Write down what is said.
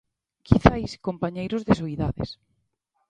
Quizais compañeiros de soidades.